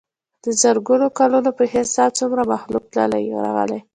دَ زرګونو کلونو پۀ حساب څومره مخلوق تلي راغلي